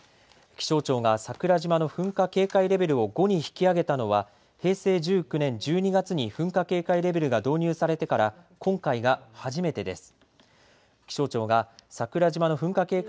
気象庁が桜島の噴火警戒レベルを５に引き上げたのは平成１９年１２月に噴火警戒レベルが導入されてから今回が初めてです。